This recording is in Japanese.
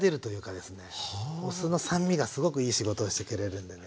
お酢の酸味がすごくいい仕事をしてくれるんでね